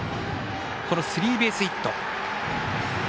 スリーベースヒット。